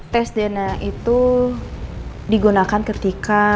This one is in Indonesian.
tes dna itu digunakan ketika